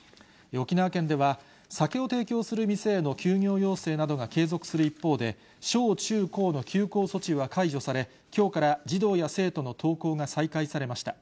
沖縄県では酒を提供する店への休業要請などが継続する一方で、小中高の休校措置は解除され、きょうから児童や生徒の登校が再開されました。